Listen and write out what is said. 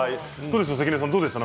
関根さん、どうでした？